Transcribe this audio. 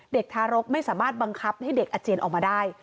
ทารกไม่สามารถบังคับให้เด็กอาเจียนออกมาได้